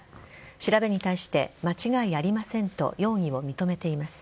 調べに対して間違いありませんと容疑を認めています。